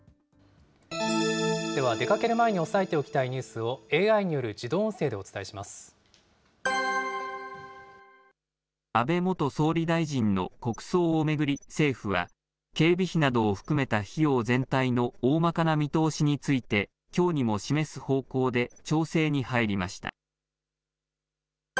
では、出かける前に押さえておきたいニュースをＡＩによる自安倍元総理大臣の国葬を巡り政府は、警備費などを含めた費用全体のおおまかな見通しについて、きょうにも示す方向で調整に入りました。